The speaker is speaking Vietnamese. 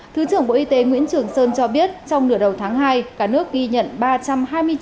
thứ trưởng bộ y tế nguyễn trường sơn cho biết trong nửa đầu tháng hai cả nước ghi nhận ba trăm hai mươi chín trường hợp